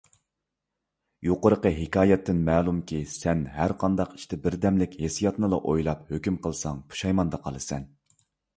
يۇقىرىقى ھېكايەتتىن مەلۇمكى، سەن ھەرقانداق ئىشتا بىردەملىك ھېسسىياتنىلا ئويلاپ، ھۆكۈم قىلساڭ پۇشايماندا قالىسەن.